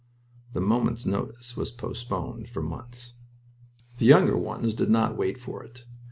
The moment's notice was postponed for months.... The younger ones did not wait for it.